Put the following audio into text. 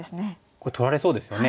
これ取られそうですよね。